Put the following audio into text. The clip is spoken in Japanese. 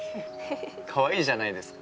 かわいいじゃないですか。